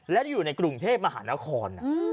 และอยู่ในกรุงเทพมหานคร